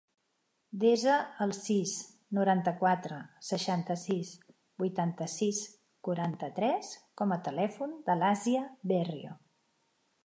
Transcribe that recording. Desa el sis, noranta-quatre, seixanta-sis, vuitanta-sis, quaranta-tres com a telèfon de l'Àsia Berrio.